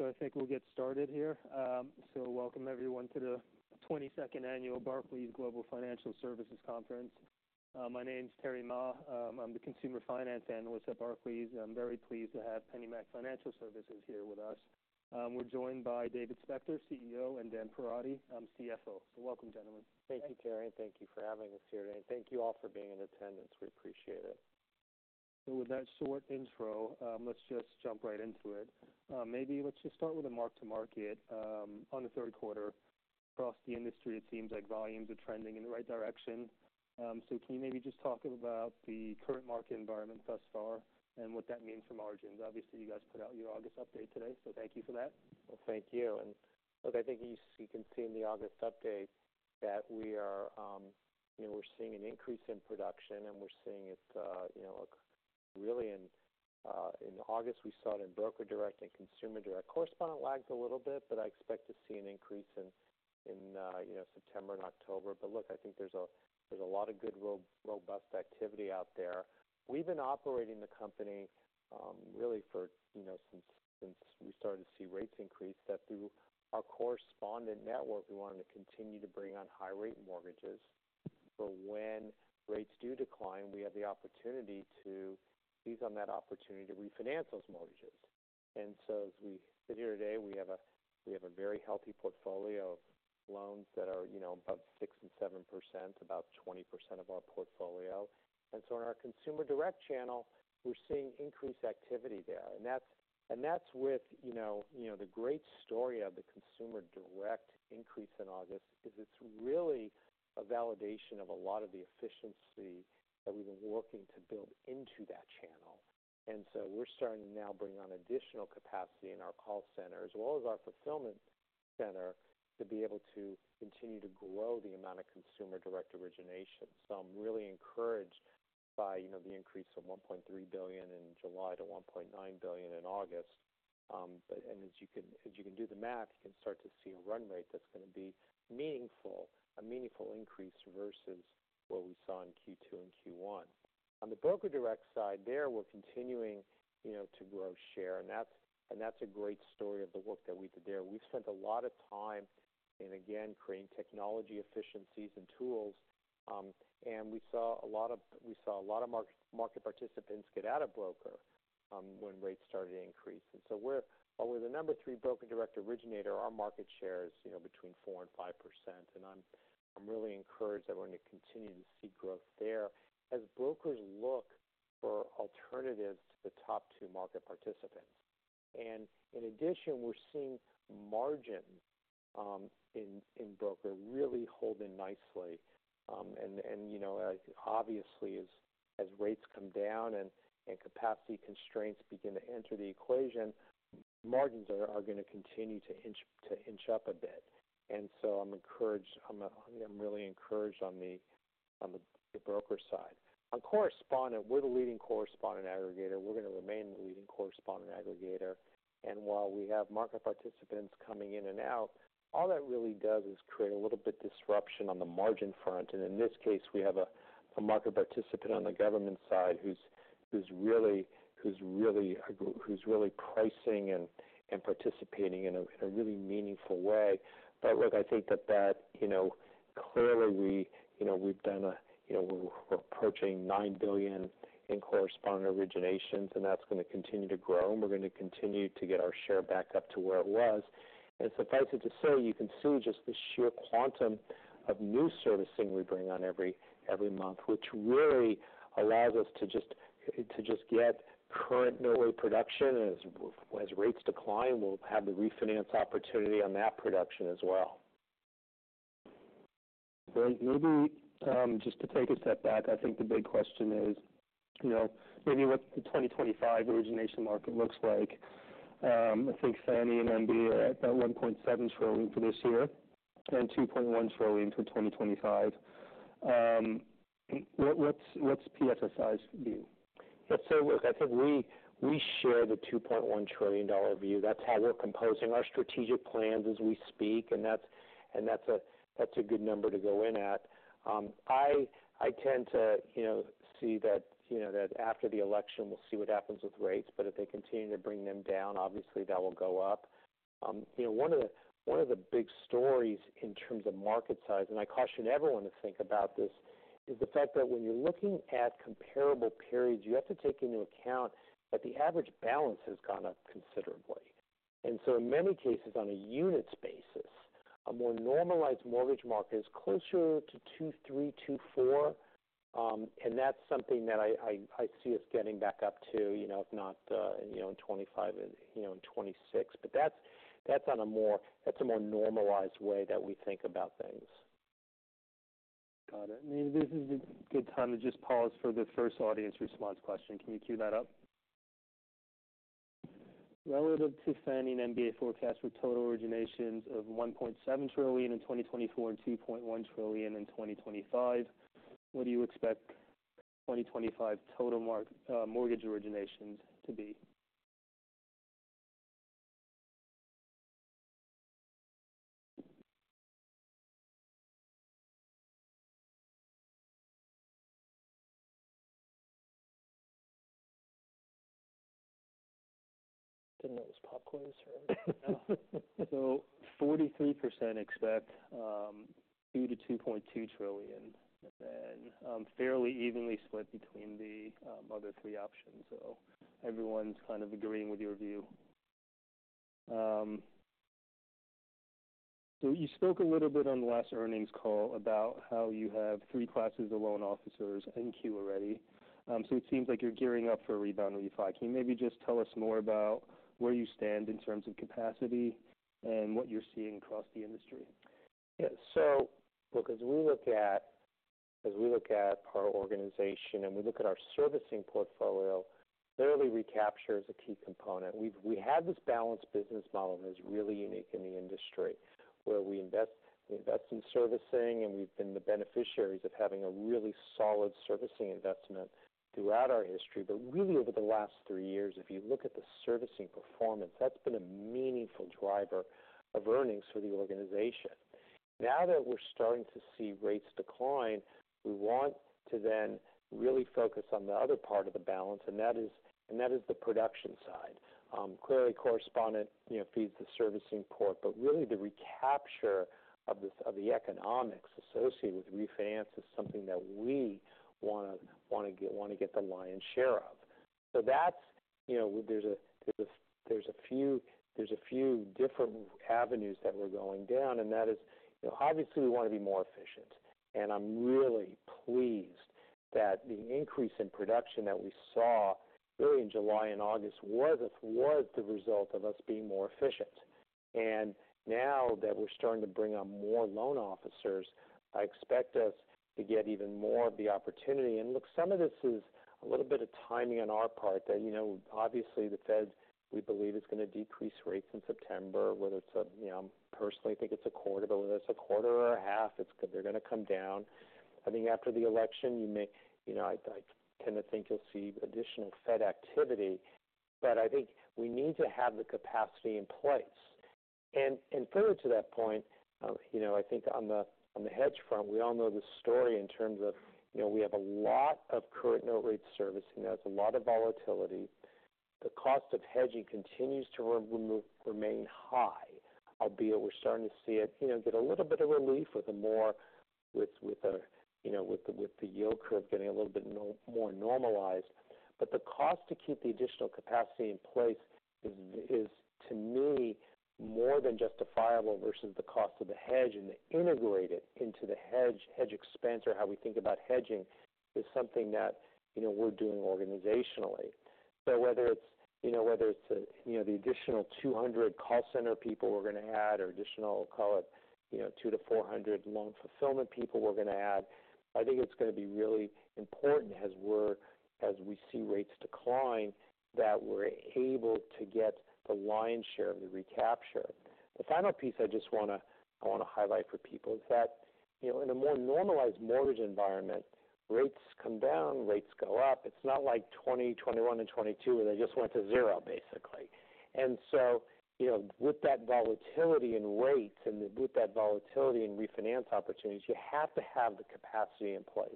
So I think we'll get started here. So welcome everyone, to the twenty-second Annual Barclays Global Financial Services Conference. My name is Terry Ma. I'm the Consumer Finance Analyst at Barclays. I'm very pleased to have PennyMac Financial Services here with us. We're joined by David Spector, CEO, and Dan Perotti, CFO. So welcome, gentlemen. Thank you, Terry, and thank you for having us here today. Thank you all for being in attendance. We appreciate it. So with that short intro, let's just jump right into it. Maybe let's just start with a mark-to-market on the third quarter. Across the industry, it seems like volumes are trending in the right direction. So can you maybe just talk about the current market environment thus far and what that means for margins? Obviously, you guys put out your August update today, so thank you for that. Well, thank you. And look, I think you can see in the August update that we are, you know, we're seeing an increase in production, and we're seeing it, you know, really in August, we saw it in broker direct and consumer direct. Correspondent lagged a little bit, but I expect to see an increase in, you know, September and October. But look, I think there's a lot of good robust activity out there. We've been operating the company, really for, you know, since we started to see rates increase, that through our correspondent network, we wanted to continue to bring on high rate mortgages. So when rates do decline, we have the opportunity to ease on that opportunity to refinance those mortgages. As we sit here today, we have a very healthy portfolio of loans that are, you know, above 6% and 7%, about 20% of our portfolio. In our consumer direct channel, we're seeing increased activity there. That's with you know, the great story of the consumer direct increase in August; it's really a validation of a lot of the efficiency that we've been working to build into that channel. We're starting to now bring on additional capacity in our call center, as well as our fulfillment center, to be able to continue to grow the amount of consumer direct origination. I'm really encouraged by you know, the increase from $1.3 billion in July to $1.9 billion in August. As you can do the math, you can start to see a run rate that's going to be meaningful, a meaningful increase versus what we saw in Q2 and Q1. On the broker direct side, we're continuing, you know, to grow share, and that's a great story of the work that we did there. We've spent a lot of time in, again, creating technology efficiencies and tools. And we saw a lot of market participants get out of broker when rates started to increase. So while we're the number three broker direct originator, our market share is, you know, between 4% and 5%, and I'm really encouraged that we're going to continue to see growth there as brokers look for alternatives to the top two market participants. And in addition, we're seeing margins in broker really holding nicely. And, you know, obviously, as rates come down and capacity constraints begin to enter the equation, margins are going to continue to inch up a bit. And so I'm encouraged. I'm really encouraged on the broker side. On correspondent, we're the leading correspondent aggregator. We're going to remain the leading correspondent aggregator. And while we have market participants coming in and out, all that really does is create a little bit disruption on the margin front. And in this case, we have a market participant on the government side who's really pricing and participating in a really meaningful way. But look, I think that you know, clearly we you know, we've done a you know, we're approaching $9 billion in correspondent originations, and that's going to continue to grow, and we're going to continue to get our share back up to where it was. And suffice it to say, you can see just the sheer quantum of new servicing we bring on every month, which really allows us to just get current non-agency production. As rates decline, we'll have the refinance opportunity on that production as well. Great. Maybe, just to take a step back, I think the big question is, you know, maybe what the 2025 origination market looks like. I think Fannie and MBA are at about $1.7 trillion for this year and $2.1 trillion for 2025. What's PFSI's view? Let's say, look, I think we share the $2.1 trillion view. That's how we're composing our strategic plans as we speak, and that's a good number to go in at. I tend to, you know, see that after the election, we'll see what happens with rates, but if they continue to bring them down, obviously that will go up. You know, one of the big stories in terms of market size, and I caution everyone to think about this, is the fact that when you're looking at comparable periods, you have to take into account that the average balance has gone up considerably. And so in many cases, on a unit's basis, a more normalized mortgage market is closer to 2.3-2.4. And that's something that I see us getting back up to, you know, if not, you know, in 2025, and, you know, in 2026. But that's, that's on a more... That's a more normalized way that we think about things. Got it. Maybe this is a good time to just pause for the first audience response question. Can you cue that up? Relative to Fannie and MBA forecast for total originations of 1.7 trillion in 2024 and 2.1 trillion in 2025, what do you expect 2025 total market mortgage originations to be? Didn't know it was popcorn, sorry. So 43% expect $2-$2.2 trillion, and then fairly evenly split between the other three options. So everyone's kind of agreeing with your view. So you spoke a little bit on the last earnings call about how you have three classes of loan officers in queue already. So it seems like you're gearing up for a rebound refi. Can you maybe just tell us more about where you stand in terms of capacity and what you're seeing across the industry? Yeah. So look, as we look at our organization and our servicing portfolio, clearly, recapture is a key component. We've had this balanced business model, and it's really unique in the industry, where we invest in servicing, and we've been the beneficiaries of having a really solid servicing investment throughout our history. But really, over the last three years, if you look at the servicing performance, that's been a meaningful driver of earnings for the organization. Now that we're starting to see rates decline, we want to then really focus on the other part of the balance, and that is the production side. Clearly, correspondent, you know, feeds the servicing portfolio, but really, the recapture of this, of the economics associated with refinance is something that we want to get the lion's share of. That's, you know, there are a few different avenues that we're going down, and that is, you know, obviously, we want to be more efficient. I'm really pleased that the increase in production that we saw, really in July and August, was the result of us being more efficient. Now that we're starting to bring on more loan officers, I expect us to get even more of the opportunity. And look, some of this is a little bit of timing on our part that, you know, obviously, the Fed, we believe, is going to decrease rates in September, whether it's a, you know, I personally think it's a quarter, but whether it's a quarter or a half, it's. They're going to come down. I think after the election, you may, you know, I kind of think you'll see additional Fed activity, but I think we need to have the capacity in place. And further to that point, you know, I think on the hedge front, we all know the story in terms of, you know, we have a lot of current note rate servicing. That's a lot of volatility. The cost of hedging continues to remain high, albeit we're starting to see it, you know, get a little bit of relief with the yield curve getting a little bit more normalized. But the cost to keep the additional capacity in place is, to me, more than justifiable versus the cost of the hedge and integrate it into the hedge expense, or how we think about hedging, is something that, you know, we're doing organizationally. So whether it's, you know, the additional 200 call center people we're going to add, or additional, call it, you know, 200 to 400 loan fulfillment people we're going to add, I think it's going to be really important as we see rates decline, that we're able to get the lion's share of the recapture. The final piece I just want to highlight for people is that, you know, in a more normalized mortgage environment, rates come down, rates go up. It's not like 2020, 2021, and 2022, where they just went to zero, basically. And so, you know, with that volatility in rates and with that volatility in refinance opportunities, you have to have the capacity in place.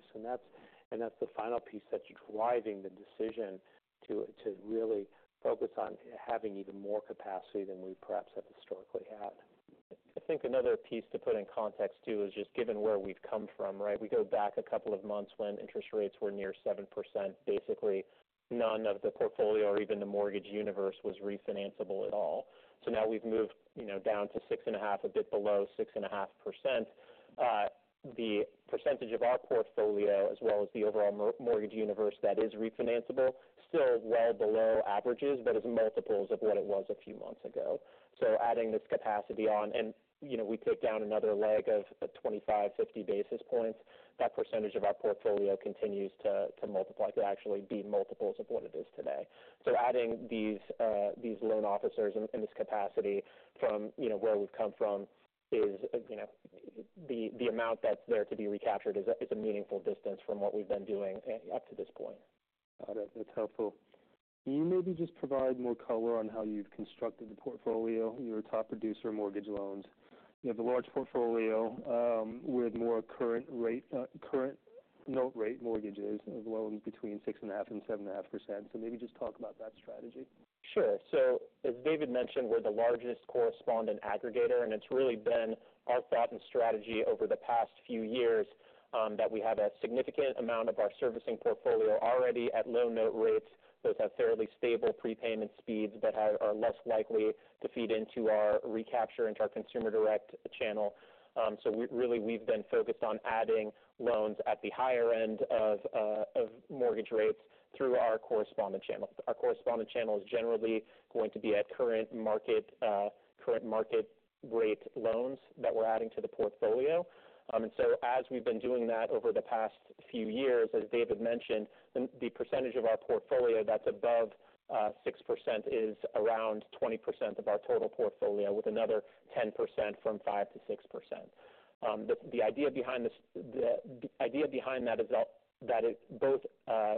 That's the final piece that's driving the decision to really focus on having even more capacity than we perhaps have historically had. I think another piece to put in context, too, is just given where we've come from, right? We go back a couple of months when interest rates were near 7%. Basically, none of the portfolio or even the mortgage universe was refinanceable at all. So now we've moved, you know, down to 6.5%, a bit below 6.5%. The percentage of our portfolio, as well as the overall mortgage universe, that is refinanceable, still well below averages, but is multiples of what it was a few months ago. So adding this capacity on and, you know, we take down another leg of a 25-50 basis points, that percentage of our portfolio continues to multiply, to actually be multiples of what it is today. So adding these loan officers in this capacity from, you know, where we've come from is, you know, the amount that's there to be recaptured is a meaningful distance from what we've been doing up to this point. Got it. That's helpful. Can you maybe just provide more color on how you've constructed the portfolio? You're a top producer of mortgage loans. You have a large portfolio with more current note rate mortgages of loans between 6.5% and 7.5%. So maybe just talk about that strategy. Sure, so as David mentioned, we're the largest correspondent aggregator, and it's really been our thought and strategy over the past few years that we have a significant amount of our servicing portfolio already at low note rates, those have fairly stable prepayment speeds that are less likely to feed into our recapture, into our consumer direct channel, so really, we've been focused on adding loans at the higher end of mortgage rates through our correspondent channel. Our correspondent channel is generally going to be at current market rate loans that we're adding to the portfolio, and so as we've been doing that over the past few years, as David mentioned, the percentage of our portfolio that's above 6% is around 20% of our total portfolio, with another 10% from 5%-6%. The idea behind that is that it both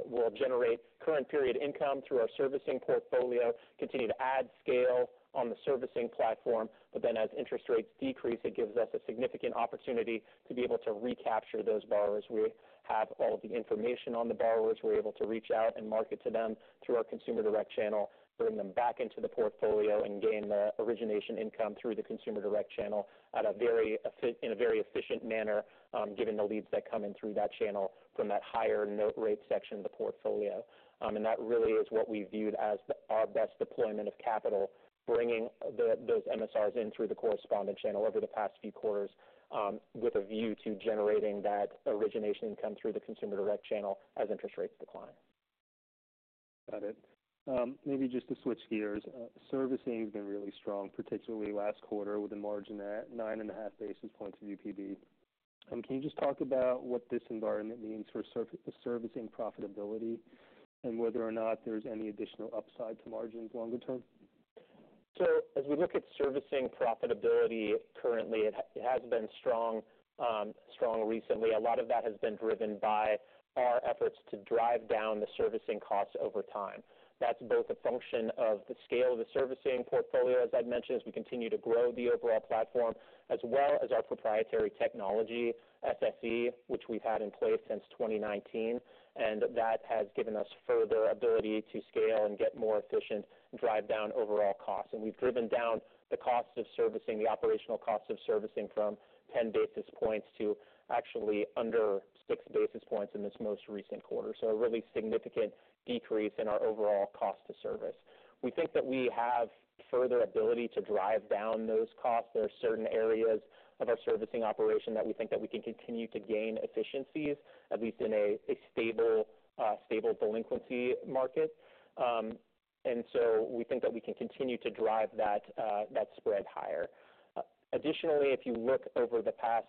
will generate current period income through our servicing portfolio, continue to add scale on the servicing platform, but then as interest rates decrease, it gives us a significant opportunity to be able to recapture those borrowers. We have all the information on the borrowers. We're able to reach out and market to them through our consumer direct channel, bring them back into the portfolio, and gain the origination income through the consumer direct channel at a very efficient manner, given the leads that come in through that channel from that higher note rate section of the portfolio. And that really is what we viewed as our best deployment of capital, bringing those MSRs in through the correspondent channel over the past few quarters, with a view to generating that origination income through the consumer direct channel as interest rates decline. Got it. Maybe just to switch gears. Servicing has been really strong, particularly last quarter, with a margin at nine and a half basis points of UPB. Can you just talk about what this environment means for the servicing profitability and whether or not there's any additional upside to margins longer term? As we look at servicing profitability currently, it has, it has been strong, strong recently. A lot of that has been driven by our efforts to drive down the servicing costs over time. That's both a function of the scale of the servicing portfolio, as I'd mentioned, as we continue to grow the overall platform, as well as our proprietary technology, SSE, which we've had in place since 2019, and that has given us further ability to scale and get more efficient, drive down overall costs. We've driven down the cost of servicing, the operational cost of servicing from ten basis points to actually under six basis points in this most recent quarter. A really significant decrease in our overall cost to service. We think that we have further ability to drive down those costs. There are certain areas of our servicing operation that we think that we can continue to gain efficiencies, at least in a stable delinquency market, and so we think that we can continue to drive that spread higher. Additionally, if you look over the past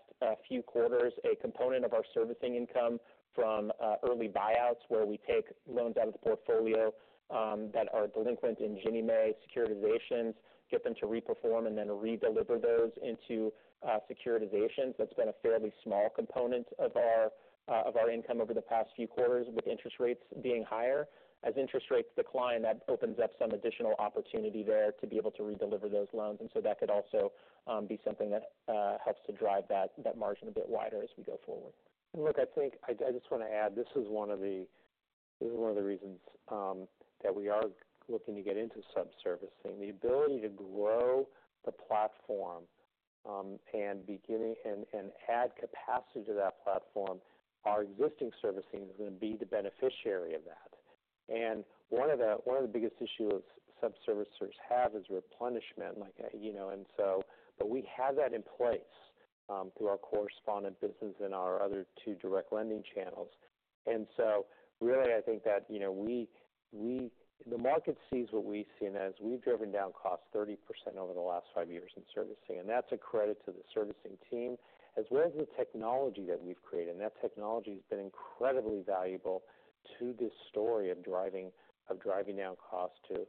few quarters, a component of our servicing income from early buyouts, where we take loans out of the portfolio that are delinquent in Ginnie Mae securitizations, get them to reperform and then redeliver those into securitizations. That's been a fairly small component of our income over the past few quarters, with interest rates being higher. As interest rates decline, that opens up some additional opportunity there to be able to redeliver those loans, and so that could also be something that helps to drive that margin a bit wider as we go forward. Look, I think I just want to add, this is one of the reasons that we are looking to get into subservicing. The ability to grow the platform and add capacity to that platform. Our existing servicing is going to be the beneficiary of that. One of the biggest issue of subservicers have is replenishment, like, you know, and so but we have that in place through our correspondent business and our other two direct lending channels. So really, I think that, you know, the market sees what we've seen as we've driven down costs 30% over the last five years in servicing, and that's a credit to the servicing team, as well as the technology that we've created. And that technology has been incredibly valuable to this story of driving down costs to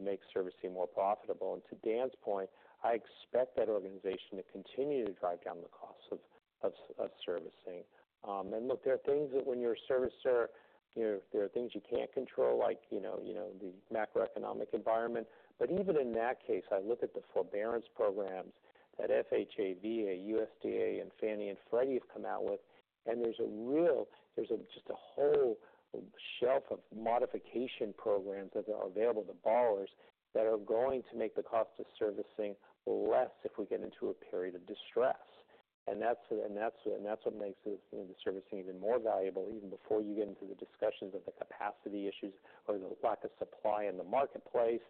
make servicing more profitable. And to Dan's point, I expect that organization to continue to drive down the costs of servicing. And look, there are things that when you're a servicer, you know, there are things you can't control, like you know, the macroeconomic environment. But even in that case, I look at the forbearance programs that FHA, VA, USDA, and Fannie and Freddie have come out with, and there's just a whole shelf of modification programs that are available to borrowers that are going to make the cost of servicing less if we get into a period of distress. That's what makes the servicing even more valuable, even before you get into the discussions of the capacity issues or the lack of supply in the marketplace.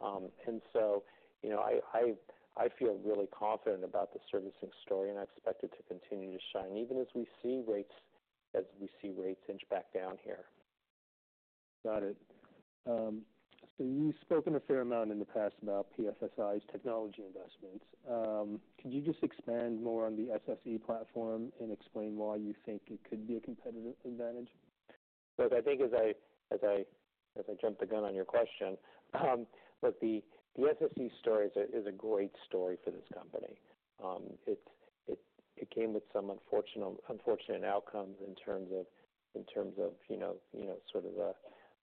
So, you know, I feel really confident about the servicing story, and I expect it to continue to shine, even as we see rates inch back down here. Got it. So you've spoken a fair amount in the past about PFSI's technology investments. Could you just expand more on the SSE platform and explain why you think it could be a competitive advantage? Look, I think as I jumped the gun on your question, but the SSE story is a great story for this company. It came with some unfortunate outcomes in terms of, you know, sort of,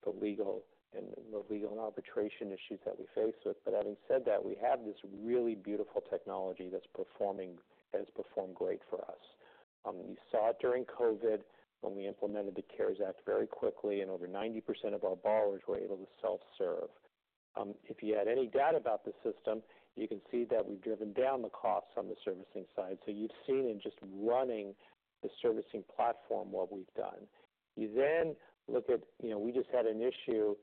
the legal and arbitration issues that we face with. But having said that, we have this really beautiful technology that's performing, that has performed great for us. You saw it during COVID when we implemented the CARES Act very quickly, and over 90% of our borrowers were able to self-serve. If you had any doubt about the system, you can see that we've driven down the costs on the servicing side. So you've seen in just running the servicing platform, what we've done. You then look at, you know, we just had an issue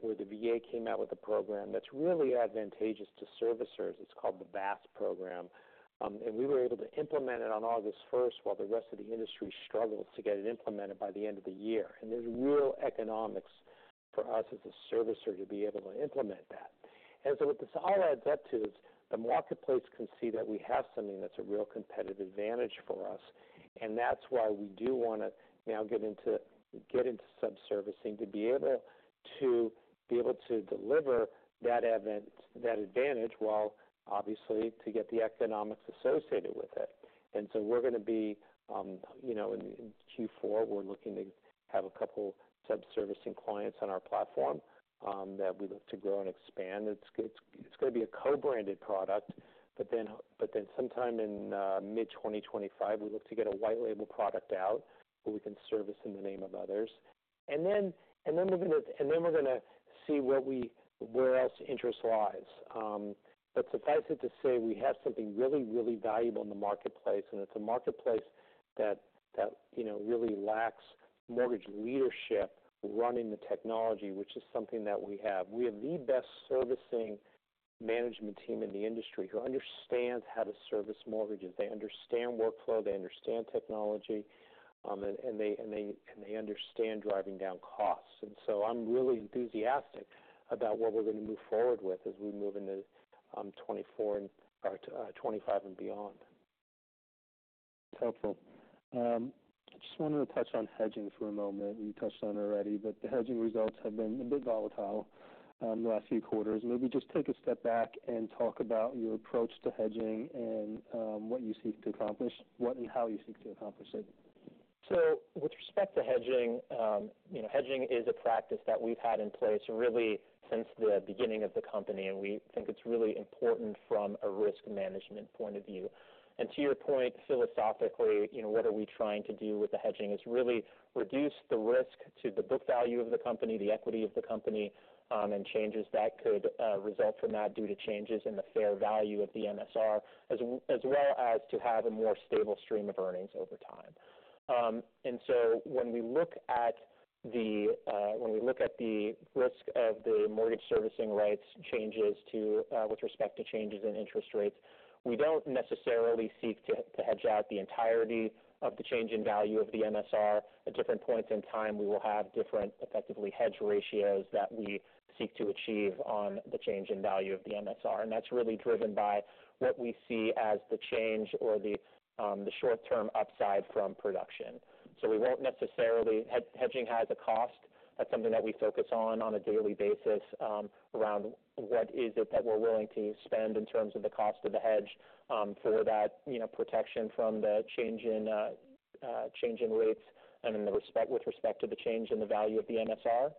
where the VA came out with a program that's really advantageous to servicers. It's called the VASP program. And we were able to implement it on August first, while the rest of the industry struggled to get it implemented by the end of the year. And there's real economics for us as a servicer to be able to implement that. And so what this all adds up to is, the marketplace can see that we have something that's a real competitive advantage for us, and that's why we do want to now get into subservicing, to be able to deliver that advantage, while obviously to get the economics associated with it. And so we're going to be, you know, in Q4, we're looking to have a couple subservicing clients on our platform, that we look to grow and expand. It's going to be a co-branded product, but then sometime in mid-2025, we look to get a white label product out, where we can service in the name of others. And then we're going to see where else interest lies. But suffice it to say, we have something really, really valuable in the marketplace, and it's a marketplace that you know really lacks mortgage leadership running the technology, which is something that we have. We have the best servicing management team in the industry who understands how to service mortgages. They understand workflow, they understand technology, and they understand driving down costs. And so I'm really enthusiastic about what we're going to move forward with as we move into 2024 and 2025 and beyond. Helpful. I just wanted to touch on hedging for a moment. You touched on it already, but the hedging results have been a bit volatile, the last few quarters. Maybe just take a step back and talk about your approach to hedging and, what you seek to accomplish, what and how you seek to accomplish it. With respect to hedging, you know, hedging is a practice that we've had in place really since the beginning of the company, and we think it's really important from a risk management point of view. To your point, philosophically, you know, what are we trying to do with the hedging? It's really reduce the risk to the book value of the company, the equity of the company, and changes that could result from that due to changes in the fair value of the MSR, as well as to have a more stable stream of earnings over time. And so when we look at the risk of the mortgage servicing rights changes with respect to changes in interest rates, we don't necessarily seek to hedge out the entirety of the change in value of the MSR. At different points in time, we will have different, effectively, hedge ratios that we seek to achieve on the change in value of the MSR, and that's really driven by what we see as the change or the short-term upside from production. So we won't necessarily hedge. Hedging has a cost. That's something that we focus on, on a daily basis, around what is it that we're willing to spend in terms of the cost of the hedge, for that, you know, protection from the change in rates and with respect to the change in the value of the MSR.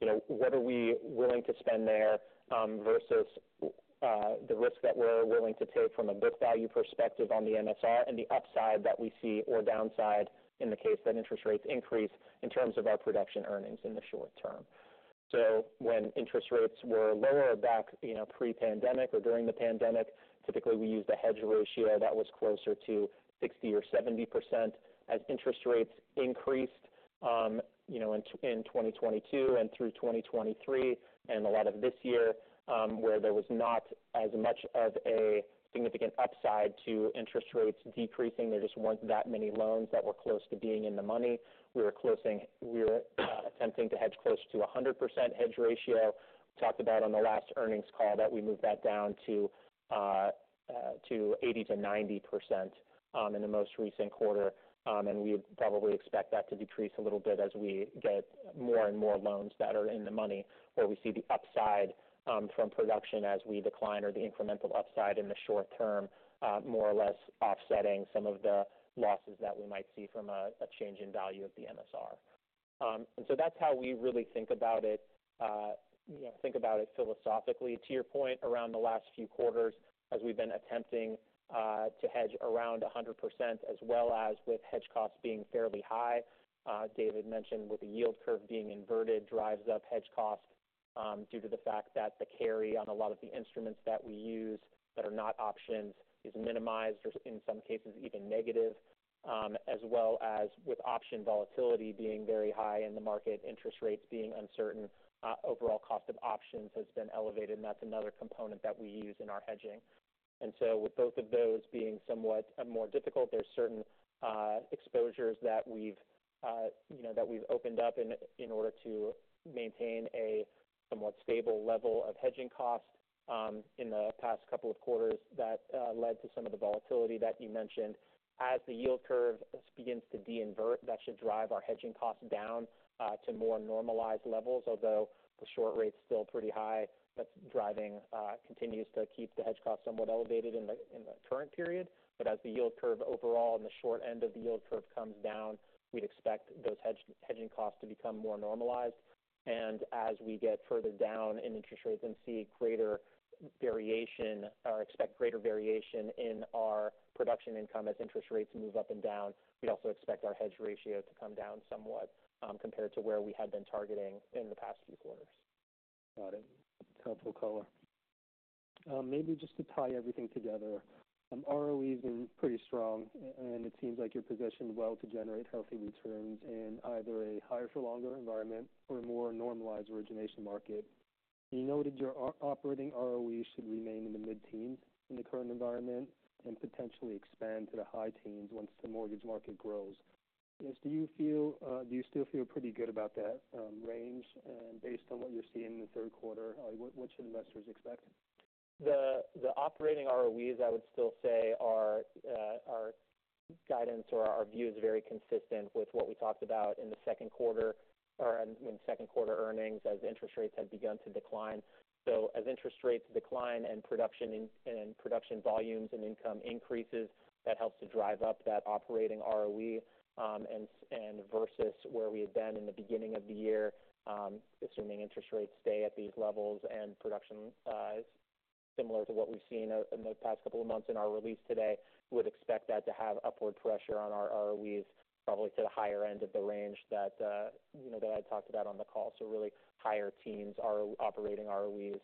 You know, what are we willing to spend there, versus the risk that we're willing to take from a book value perspective on the MSR and the upside that we see, or downside in the case that interest rates increase, in terms of our production earnings in the short term. So when interest rates were lower back, you know, pre-pandemic or during the pandemic, typically, we used a hedge ratio that was closer to 60% or 70%. As interest rates increased, you know, in 2022 and through 2023, and a lot of this year, where there was not as much of a significant upside to interest rates decreasing, there just weren't that many loans that were close to being in the money. We were attempting to hedge close to a 100% hedge ratio. Talked about on the last earnings call that we moved that down to 80%-90% in the most recent quarter. And we would probably expect that to decrease a little bit as we get more and more loans that are in the money, where we see the upside from production as we decline, or the incremental upside in the short term more or less offsetting some of the losses that we might see from a change in value of the MSR. And so that's how we really think about it, you know, think about it philosophically. To your point, around the last few quarters, as we've been attempting to hedge around 100%, as well as with hedge costs being fairly high, David mentioned, with the yield curve being inverted, drives up hedge costs, due to the fact that the carry on a lot of the instruments that we use that are not options, is minimized, or in some cases, even negative. As well as with option volatility being very high in the market, interest rates being uncertain, overall cost of options has been elevated, and that's another component that we use in our hedging. And so with both of those being somewhat more difficult, there's certain exposures that we've you know opened up in order to maintain a somewhat stable level of hedging costs in the past couple of quarters that led to some of the volatility that you mentioned. As the yield curve begins to de-invert, that should drive our hedging costs down to more normalized levels, although the short rate's still pretty high. That's driving continues to keep the hedge costs somewhat elevated in the current period. But as the yield curve overall, and the short end of the yield curve comes down, we'd expect those hedging costs to become more normalized. As we get further down in interest rates and see greater variation, or expect greater variation in our production income as interest rates move up and down, we also expect our hedge ratio to come down somewhat, compared to where we had been targeting in the past few quarters. Got it. Helpful color. Maybe just to tie everything together, ROE has been pretty strong, and it seems like you're positioned well to generate healthy returns in either a higher for longer environment or a more normalized origination market. You noted your operating ROE should remain in the mid-teens in the current environment and potentially expand to the high teens once the mortgage market grows. I guess, do you feel, do you still feel pretty good about that range? And based on what you're seeing in the third quarter, what should investors expect? The operating ROEs, I would still say, are guidance or our view is very consistent with what we talked about in the second quarter or in second quarter earnings, as interest rates had begun to decline. So as interest rates decline and production volumes and income increases, that helps to drive up that operating ROE. And versus where we had been in the beginning of the year, assuming interest rates stay at these levels and production similar to what we've seen in the past couple of months in our release today, we would expect that to have upward pressure on our ROEs, probably to the higher end of the range that you know that I talked about on the call. Really, higher teens are operating ROEs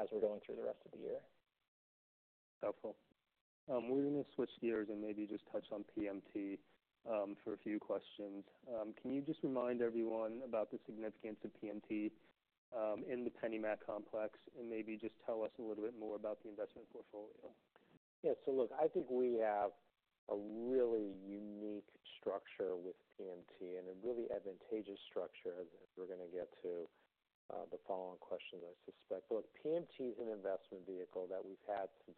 as we're going through the rest of the year. Helpful. We're going to switch gears and maybe just touch on PMT, for a few questions. Can you just remind everyone about the significance of PMT, in the PennyMac complex, and maybe just tell us a little bit more about the investment portfolio? Yeah, so look, I think we have a really unique structure with PMT and a really advantageous structure, as we're going to get to the following questions, I suspect. Look, PMT is an investment vehicle that we've had since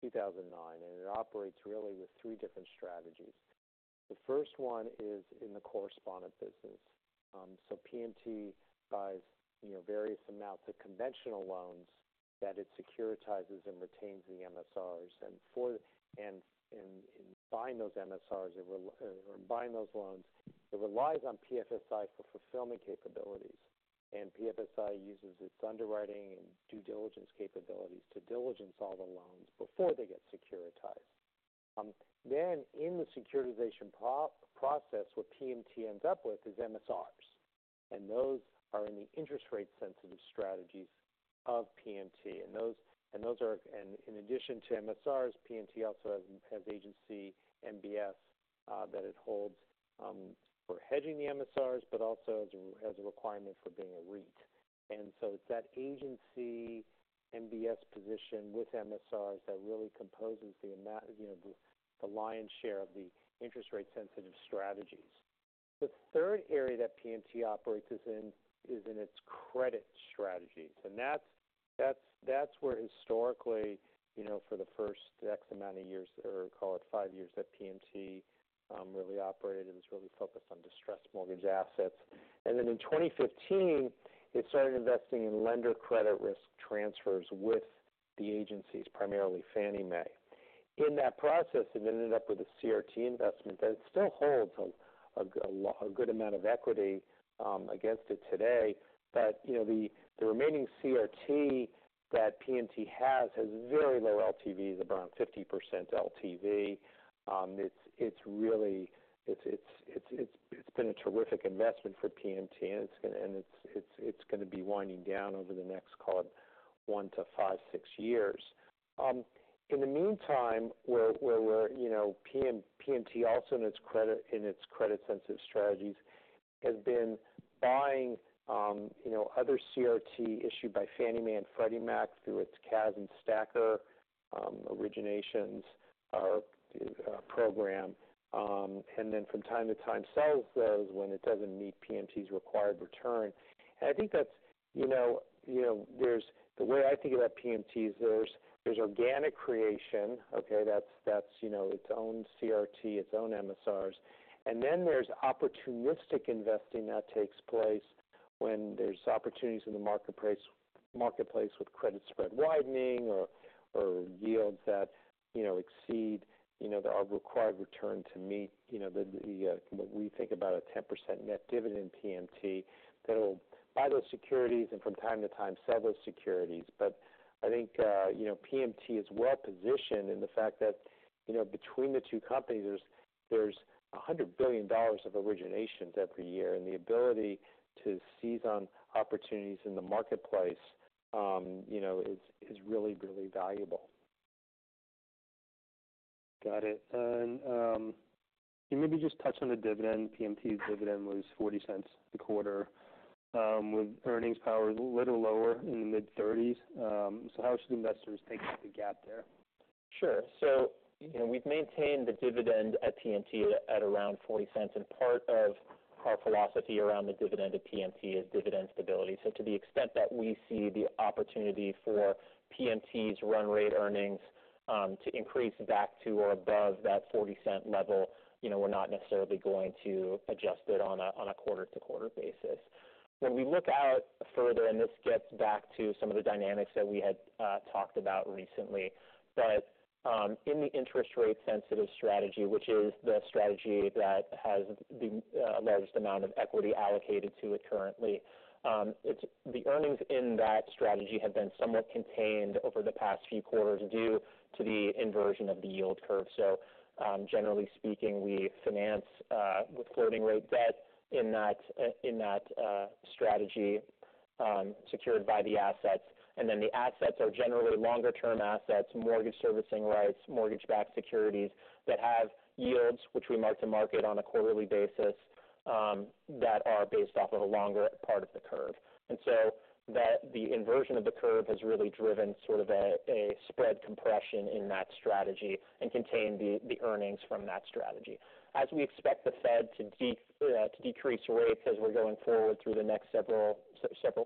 2009, and it operates really with three different strategies. The first one is in the correspondent business, so PMT buys, you know, various amounts of conventional loans that it securitizes and retains the MSRs. And in buying those loans, it relies on PFSI for fulfillment capabilities. And PFSI uses its underwriting and due diligence capabilities to diligence all the loans before they get securitized, then in the securitization process, what PMT ends up with is MSRs, and those are in the interest rate-sensitive strategies of PMT. And those are and in addition to MSRs, PMT also has agency MBS that it holds for hedging the MSRs, but also as a requirement for being a REIT. And so it's that agency MBS position with MSRs that really composes the, you know, the lion's share of the interest rate-sensitive strategies. The third area that PMT operates is in its credit strategies, and that's where historically, you know, for the first X amount of years, or call it five years, that PMT really operated and was really focused on distressed mortgage assets. And then in 2015, it started investing in lender credit risk transfers with the agencies, primarily Fannie Mae. In that process, it ended up with a CRT investment that it still holds a good amount of equity against it today. But, you know, the remaining CRT that PMT has has very low LTVs, about 50% LTV. It's been a terrific investment for PMT, and it's going to be winding down over the next, call it one to five, six years. In the meantime, you know, PMT also in its credit-sensitive strategies has been buying, you know, other CRT issued by Fannie Mae and Freddie Mac through its CAS and STACR originations program, and then from time to time, sells those when it doesn't meet PMT's required return. I think that's, you know, there's the way I think about PMT is there's organic creation, okay? That's, that's, you know, its own CRT, its own MSRs. And then there's opportunistic investing that takes place when there's opportunities in the marketplace with credit spread widening or yields that, you know, exceed, you know, our required return to meet, you know, the, the, what we think about a 10% net dividend PMT that will buy those securities and from time to time, sell those securities. But I think, you know, PMT is well positioned in the fact that, you know, between the two companies, there's $100 billion of originations every year, and the ability to seize on opportunities in the marketplace, you know, is really, really valuable. Got it. And, can you maybe just touch on the dividend? PMT's dividend was $0.40 a quarter, with earnings power a little lower in the mid thirties. So how should investors take the gap there? Sure. So, you know, we've maintained the dividend at PMT at around $0.40, and part of our philosophy around the dividend at PMT is dividend stability. So to the extent that we see the opportunity for PMT's run rate earnings to increase back to or above that $0.40 level, you know, we're not necessarily going to adjust it on a quarter-to-quarter basis. When we look out further, and this gets back to some of the dynamics that we had talked about recently, but in the interest rate sensitive strategy, which is the strategy that has the largest amount of equity allocated to it currently, it's the earnings in that strategy have been somewhat contained over the past few quarters due to the inversion of the yield curve. So, generally speaking, we finance with floating rate debt in that strategy, secured by the assets. And then the assets are generally longer-term assets, mortgage servicing rights, mortgage-backed securities that have yields which we mark to market on a quarterly basis, that are based off of a longer part of the curve. And so that the inversion of the curve has really driven sort of a spread compression in that strategy and contained the earnings from that strategy. As we expect the Fed to decrease rates as we're going forward through the next several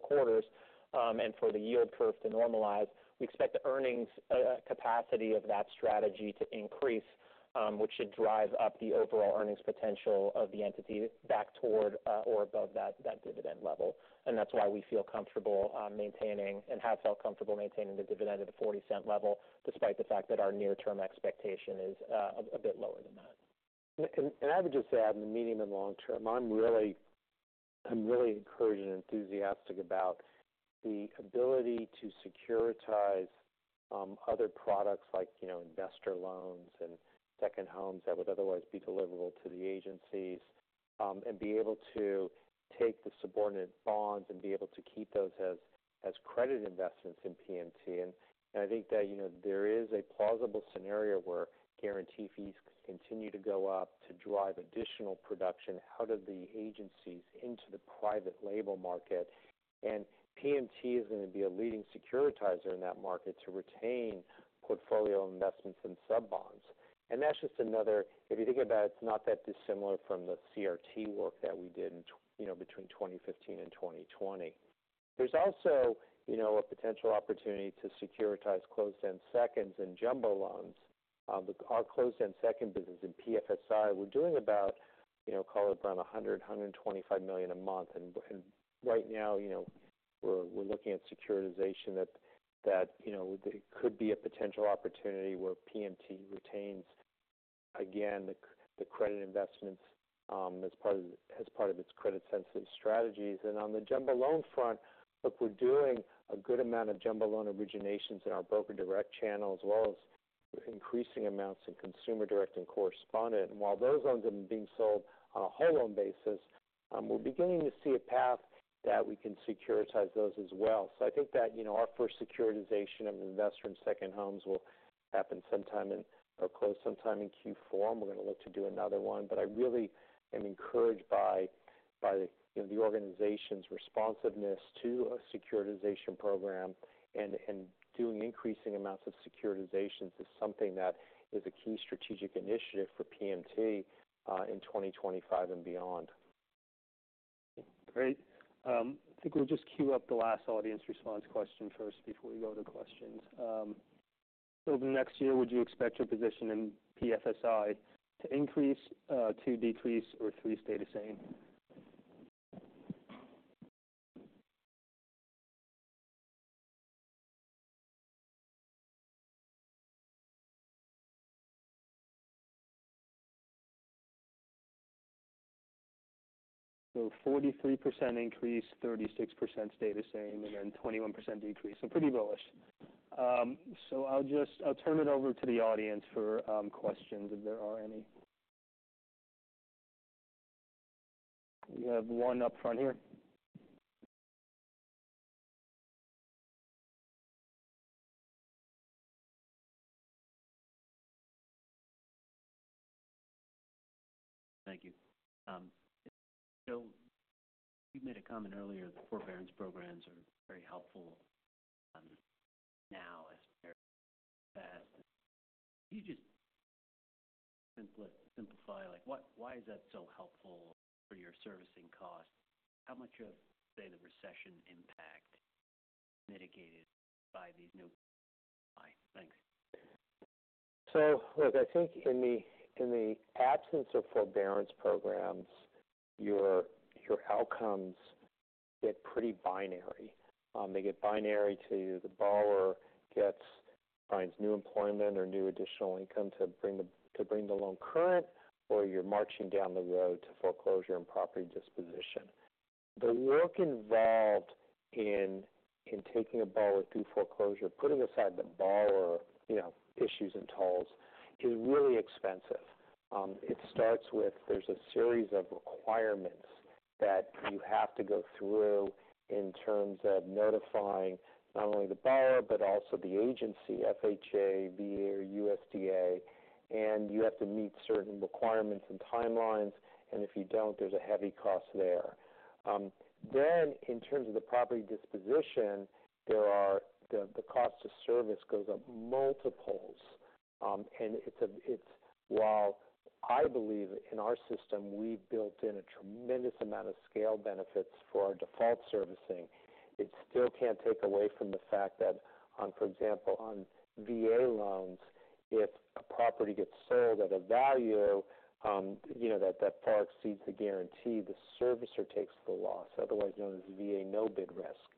quarters, and for the yield curve to normalize, we expect the earnings capacity of that strategy to increase, which should drive up the overall earnings potential of the entity back toward, or above that dividend level. And that's why we feel comfortable maintaining and have felt comfortable maintaining the dividend at a $0.40 level, despite the fact that our near-term expectation is a bit lower than that. I would just add, in the medium and long term, I'm really encouraged and enthusiastic about the ability to securitize other products like, you know, investor loans and second homes that would otherwise be deliverable to the agencies, and be able to take the subordinate bonds and be able to keep those as credit investments in PMT. I think that, you know, there is a plausible scenario where guarantee fees could continue to go up to drive additional production out of the agencies into the private label market. PMT is going to be a leading securitizer in that market to retain portfolio investments in sub bonds. That's just another, if you think about it, it's not that dissimilar from the CRT work that we did, you know, between twenty fifteen and twenty twenty. There's also, you know, a potential opportunity to securitize closed-end seconds in jumbo loans. But our closed-end second business in PFSI, we're doing about, you know, call it around $100-$125 million a month. And right now, you know, we're looking at securitization that, you know, it could be a potential opportunity where PMT retains, again, the credit investments, as part of its credit sensitive strategies. And on the jumbo loan front, look, we're doing a good amount of jumbo loan originations in our broker direct channel, as well as increasing amounts in consumer direct and correspondent. And while those loans are being sold on a whole loan basis, we're beginning to see a path that we can securitize those as well. I think that, you know, our first securitization of investor and second homes will happen sometime in or close to Q4, and we're going to look to do another one. I really am encouraged by the, you know, the organization's responsiveness to a securitization program and doing increasing amounts of securitizations is something that is a key strategic initiative for PMT in twenty twenty-five and beyond. Great. I think we'll just queue up the last audience response question first before we go to questions. Over the next year, would you expect your position in PFSI to increase, to decrease, or to stay the same? So 43% increase, 36% stay the same, and then 21% decrease. Pretty bullish. So I'll turn it over to the audience for questions, if there are any. We have one up front here. Thank you. So you made a comment earlier, the forbearance programs are very helpful now as compared to the past. Can you just simplify, like, why is that so helpful for your servicing costs? How much of, say, the recession impact mitigated by these new? Thanks. So look, I think in the absence of forbearance programs, your outcomes get pretty binary. They get binary to the borrower, finds new employment or new additional income to bring the loan current, or you're marching down the road to foreclosure and property disposition. The work involved in taking a borrower through foreclosure, putting aside the borrower, you know, issues and tolls, is really expensive. It starts with there's a series of requirements that you have to go through in terms of notifying not only the borrower, but also the agency, FHA, VA, USDA, and you have to meet certain requirements and timelines, and if you don't, there's a heavy cost there. Then in terms of the property disposition, there are the cost to service goes up multiples. And it's while I believe in our system, we've built in a tremendous amount of scale benefits for our default servicing, it still can't take away from the fact that, for example, on VA loans, if a property gets sold at a value you know that far exceeds the guarantee, the servicer takes the loss, otherwise known as the VA no-bid risk.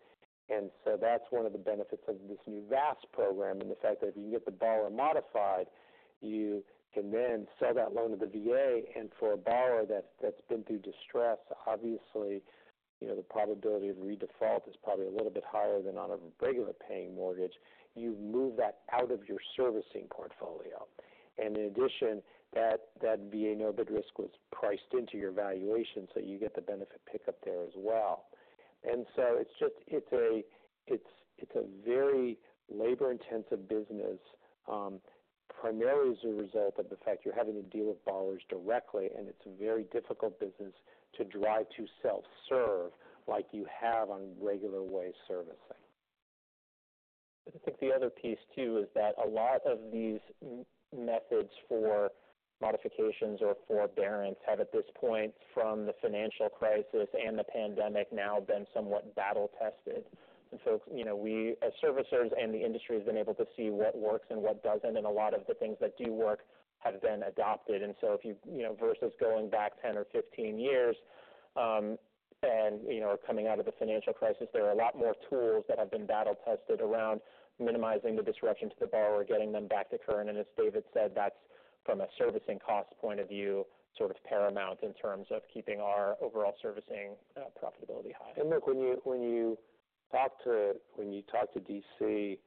And so that's one of the benefits of this new VASP program, and the fact that if you can get the borrower modified, you can then sell that loan to the VA. And for a borrower that's been through distress, obviously, you know, the probability of redefault is probably a little bit higher than on a regular paying mortgage. You move that out of your servicing portfolio. In addition, that VA no-bid risk was priced into your valuation, so you get the benefit pickup there as well. So it's just a very labor-intensive business, primarily as a result of the fact you're having to deal with borrowers directly, and it's a very difficult business to drive to self-serve, like you have on regular way servicing. I think the other piece, too, is that a lot of these methods for modifications or forbearance have, at this point, from the financial crisis and the pandemic now been somewhat battle tested. And so, you know, we, as servicers and the industry, have been able to see what works and what doesn't, and a lot of the things that do work have been adopted. And so if you, you know, versus going back 10 or 15 years, and, you know, coming out of the financial crisis, there are a lot more tools that have been battle tested around minimizing the disruption to the borrower, getting them back to current. And as David said, that's from a servicing cost point of view, sort of paramount in terms of keeping our overall servicing profitability high. Look, when you talk to DC,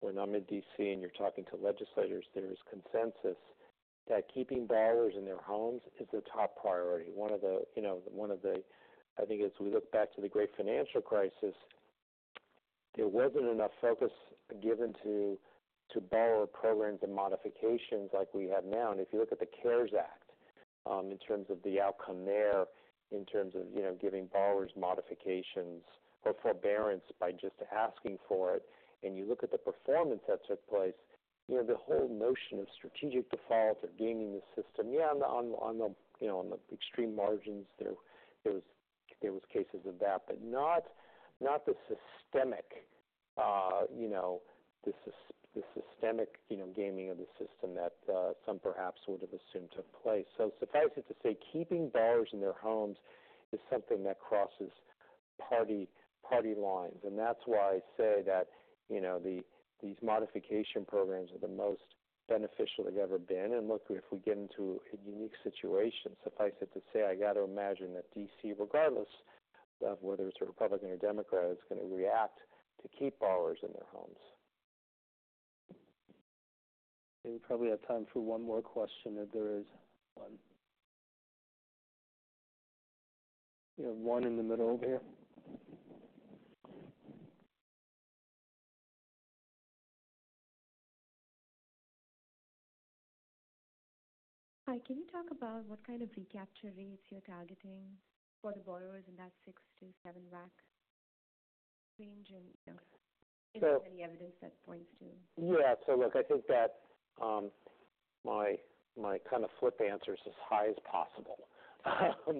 when I'm in DC and you're talking to legislators, there's consensus that keeping borrowers in their homes is a top priority. One of the, you know, I think as we look back to the great financial crisis, there wasn't enough focus given to borrower programs and modifications like we have now. If you look at the CARES Act, in terms of the outcome there, in terms of, you know, giving borrowers modifications or forbearance by just asking for it, and you look at the performance that took place, you know, the whole notion of strategic default or gaming the system, yeah, on the extreme margins there, there was cases of that, but not the systemic, you know, gaming of the system that some perhaps would have assumed took place. Suffice it to say, keeping borrowers in their homes is something that crosses party lines. And that's why I say that, you know, these modification programs are the most beneficial they've ever been. Look, if we get into a unique situation, suffice it to say, I got to imagine that DC, regardless of whether it's a Republican or Democrat, is going to react to keep borrowers in their homes. We probably have time for one more question, if there is one. We have one in the middle here. Hi, can you talk about what kind of recapture rates you're targeting for the borrowers in that six to seven rate range? And, you know, if there's any evidence that points to- Yeah. So, look, I think that my kind of flip answer is as high as possible.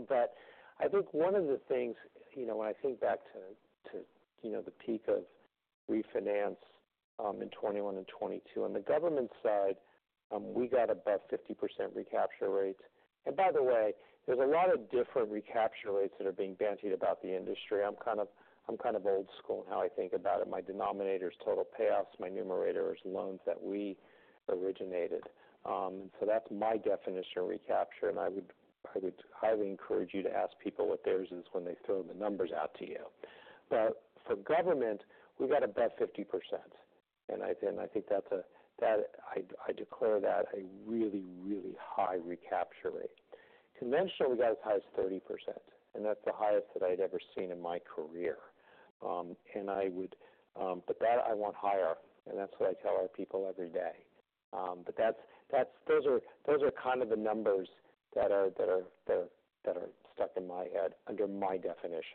But I think one of the things, you know, when I think back to the peak of refinance in 2021 and 2022, on the government side, we got about 50% recapture rates. And by the way, there's a lot of different recapture rates that are being bandied about the industry. I'm kind of old school in how I think about it. My denominator is total pay-offs, my numerator is loans that we originated. So that's my definition of recapture, and I would highly encourage you to ask people what theirs is when they throw the numbers out to you. But for government, we've got about 50%, and I think that's a really, really high recapture rate. Conventional, we got as high as 30%, and that's the highest that I'd ever seen in my career. And I would. But I want higher, and that's what I tell our people every day. But that's, those are kind of the numbers that are stuck in my head under my definition.